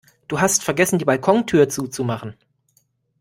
Du hast vergessen die Balkontür zuzumachen